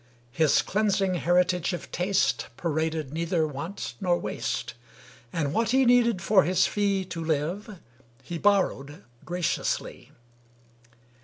His cleansing heritage of taste Paraded neither want nor waste; And what he needed for his fee To live, he borrowed graciously.